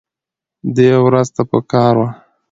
دې ورځ ته پکار وه